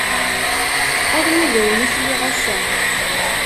Armi d ayen, i sliɣ ass-a.